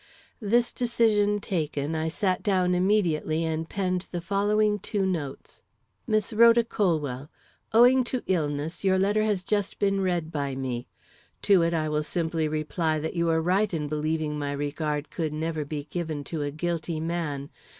This decision taken, I sat down immediately and penned the following two notes: MISS RHODA COLWELL: Owing to illness, your letter has just been read by me. To it I will simply reply that you are right in believing my regard could never be given to a guilty man.